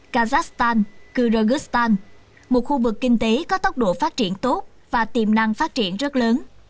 kazakhstan kyrgyzstan một khu vực kinh tế có tốc độ phát triển tốt và tiềm năng phát triển rất lớn